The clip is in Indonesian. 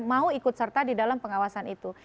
mau ikut serta di dalam pengawasan itu